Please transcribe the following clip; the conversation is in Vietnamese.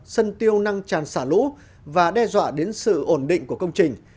sân tiêu năng tràn xả lũ và đe dọa đến sự ổn định của công trình